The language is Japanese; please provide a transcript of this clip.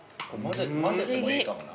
混ぜてもいいかもな。